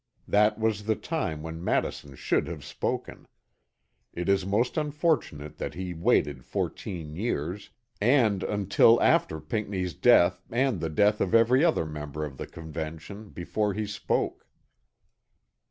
That was the time when Madison should have spoken. It is most unfortunate that he waited fourteen years, and until after Pinckney's death and the death of every other member of the Convention, before he spoke.